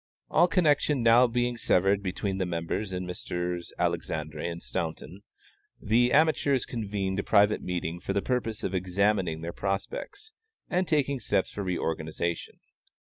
All connection now being severed between the members and Messrs. Alexandre and Staunton, the amateurs convened a private meeting for the purpose of examining their prospects and taking steps for reorganization.